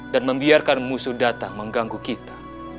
dan membiarkan musuh datang mengganggu kita